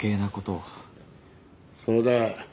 そうだ。